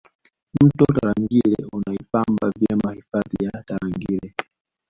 mto tarangire unaipamba vyema hifadhi ya tarangire